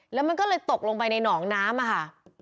แล้วมันก็เลยตกลงไปในหนองน้ำค่ะ